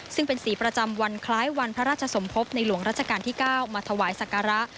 ซึ่งเป็นสีประจำวันคล้ายวันพระราชสมภพในหลวงราชการที่๙มาถวายศักระ